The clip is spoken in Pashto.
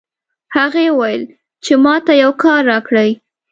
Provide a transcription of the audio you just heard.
هغې وویل چې ما ته یو کار راکړئ